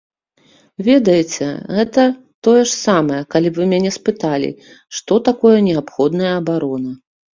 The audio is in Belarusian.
Ведаеце, гэта тое ж самае, калі б вы мяне спыталі, што такое неабходная абарона.